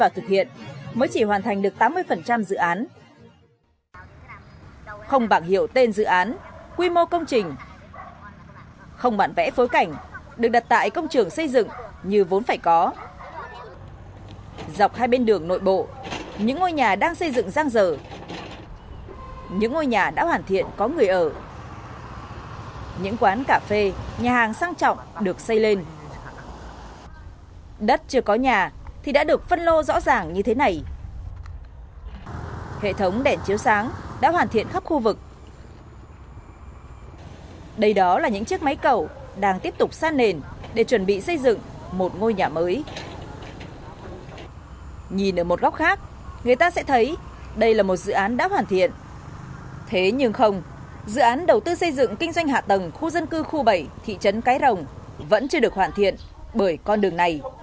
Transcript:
thế nhưng không dự án đầu tư xây dựng kinh doanh hạ tầng khu dân cư khu bảy thị trấn cái rồng vẫn chưa được hoàn thiện bởi con đường này